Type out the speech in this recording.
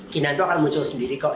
china itu akan muncul sendiri kok